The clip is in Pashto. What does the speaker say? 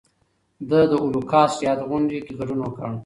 ده د هولوکاسټ د یاد غونډې کې ګډون وکړ.